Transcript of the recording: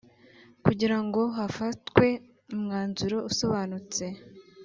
kugira ngo hafatwe umwanzuro usobanutse